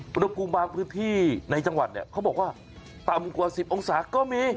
พ้นกุบารพื้นที่ในจังหวัดเนี่ยเขาบอกว่าตำกว่า๑๐องศากรณ์ก็มี